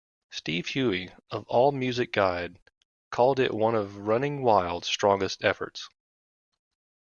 Steve Huey of All Music Guide called it one of Running Wild's strongest efforts.